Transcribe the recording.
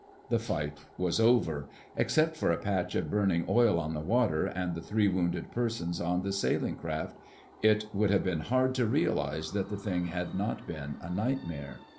The fight was over. Except for a patch of burning oil on the water, and the three wounded persons on the sailing craft, it would have been hard to realize that the thing had not been a nightmare.